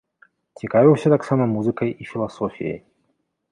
Цікавіўся таксама музыкай і філасофіяй.